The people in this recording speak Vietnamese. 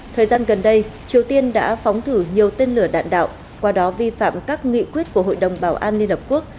thời gian gần đây triều tiên đã phóng thử nhiều tên lửa đạn đạo qua đó vi phạm các nghị quyết của hội đồng bảo an liên hợp quốc